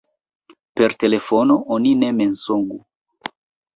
Per telefono oni ne mensogu.